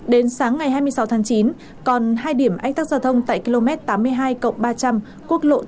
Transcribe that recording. đến sáng ngày hai mươi sáu tháng chín còn hai điểm ánh tắc giao thông tại km tám mươi hai cộng ba trăm linh quốc lộ tám a